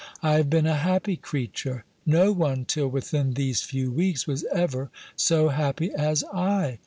I have been a happy creature: no one, till within these few weeks, was ever so happy as I.